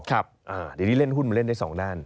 เดี๋ยวนี้เล่นหุ้นมันเล่นได้สองด้าน